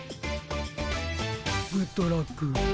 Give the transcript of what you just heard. グッドラック。